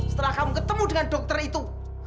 setelah kamu ketemu dengan dokter itu